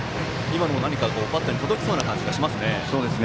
今のはバッターに届きそうな感じがしましたね。